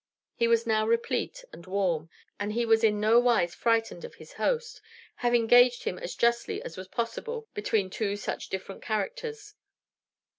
He was now replete and warm; and he was in nowise frightened for his host, having gauged him as justly as was possible between two such different characters.